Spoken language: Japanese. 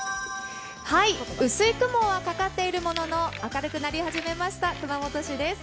薄い雲はかかっているものの明るくなり始めました熊本市です。